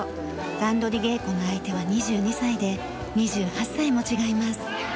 乱取り稽古の相手は２２歳で２８歳も違います。